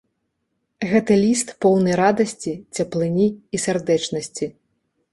Гэты ліст поўны радасці, цяплыні і сардэчнасці.